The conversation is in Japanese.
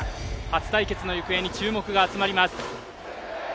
初対決の行方に注目が集まります